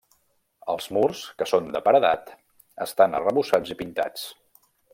Els murs, que són de paredat, estan arrebossats i pintats.